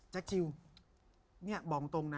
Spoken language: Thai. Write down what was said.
แจ๊คจิทบอกตรงนะ